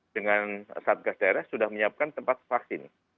dengan satgas daerah sudah menyiapkan tempat vaksin